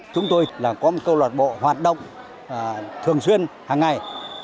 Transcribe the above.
chúng tôi là có một câu lạc bộ hoạt động thường xuyên hàng ngày